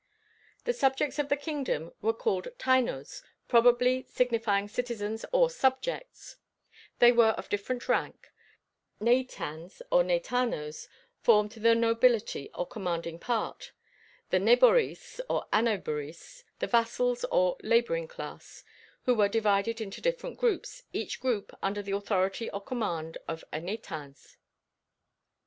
The subjects of the kingdom were called tainos probably signifying citizens or subjects; they were of different rank; the naitains or naitanos formed the nobility or commanding part, the naboris or anaboris the vassals or laboring class, who were divided into different groups, each group under the authority or command of a naitains.